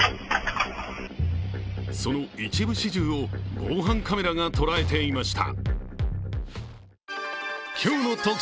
その一部始終を防犯カメラが捉えていました。